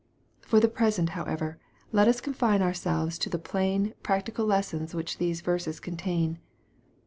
For the present, however, let us confine our pelves to the plain, practical lessons which these verscp contain.